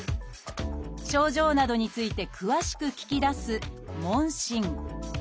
症状などについて詳しく聞き出す「問診」。